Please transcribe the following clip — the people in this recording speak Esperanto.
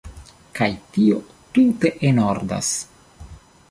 Kaj tio tute enordas.